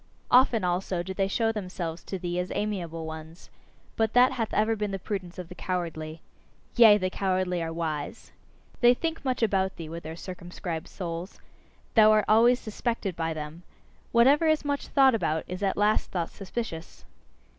Often, also, do they show themselves to thee as amiable ones. But that hath ever been the prudence of the cowardly. Yea! the cowardly are wise! They think much about thee with their circumscribed souls thou art always suspected by them! Whatever is much thought about is at last thought suspicious.